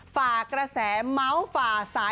ฝากระแสเม้า